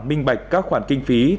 minh bạch các khoản kinh phí